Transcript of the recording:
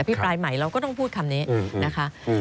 พี่ปลายใหม่เราก็ต้องพูดคำนี้นะคะ